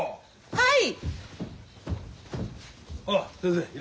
はい。